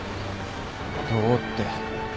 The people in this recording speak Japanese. どうって。